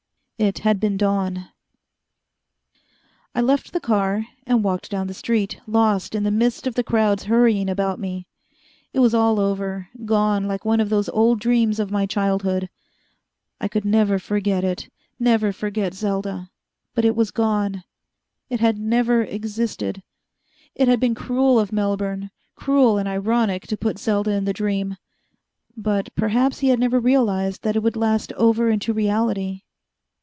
It had been dawn. I left the car, and walked down the street, lost in the midst of the crowds hurrying about me. It was all over, gone like one of those old dreams of my childhood. I could never forget it never forget Selda but it was gone. It had never existed. It had been cruel of Melbourne, cruel and ironic, to put Selda in the dream. But perhaps he had never realized that it would last over into reality.